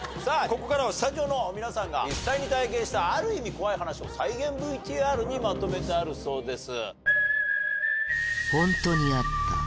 ここからはスタジオの皆さんが実際に体験したある意味怖い話を再現ＶＴＲにまとめてあるそうです。